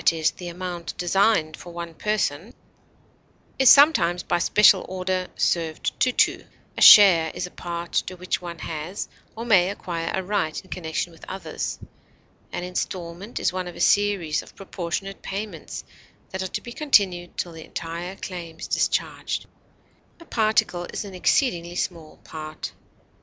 e._, the amount designed for one person) is sometimes, by special order, served to two; a share is a part to which one has or may acquire a right in connection with others; an instalment is one of a series of proportionate payments that are to be continued till the entire claim is discharged; a particle is an exceedingly small part.